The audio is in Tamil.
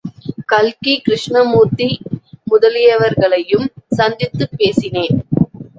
கல்கி கிருஷ்ணமூர்த்தி முதலியவர்களையும் சந்தித்துப் பேசினேன்.